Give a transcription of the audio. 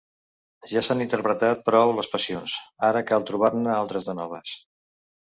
Ja s'han interpretat prou les passions: ara cal trobar-ne altres de noves.